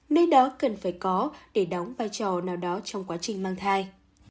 nơi đó cần phải có để đóng vai trò nào đó trong quá trình mang thai